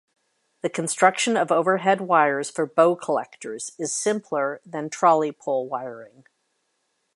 The construction of overhead wires for bow collectors is simpler than trolley pole wiring.